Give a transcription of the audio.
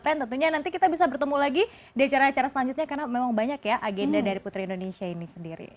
tentunya nanti kita bisa bertemu lagi di acara acara selanjutnya karena memang banyak ya agenda dari putri indonesia ini sendiri